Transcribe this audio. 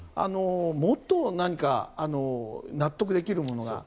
もっと何か納得できるものが。